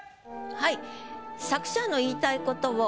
はい作者の言いたいことを。